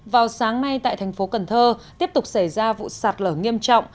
vào sáng nay tại thành phố cần thơ tiếp tục xảy ra vụ sạt lở nghiêm trọng